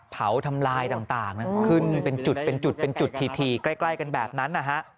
เผาทำลายต่างขึ้นเป็นจุดเป็นจุดทีใกล้กันแบบนั้น